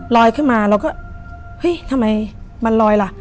ขึ้นมาเราก็เฮ้ยทำไมมันลอยล่ะ